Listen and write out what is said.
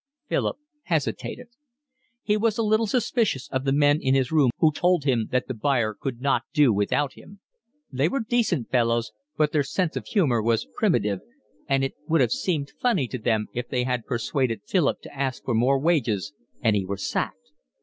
Philip hesitated. He was a little suspicious of the men in his room who told him that the buyer could not do without him. They were decent fellows, but their sense of humour was primitive, and it would have seemed funny to them if they had persuaded Philip to ask for more wages and he were sacked.